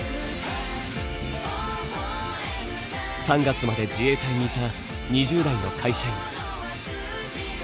３月まで自衛隊にいた２０代の会社員。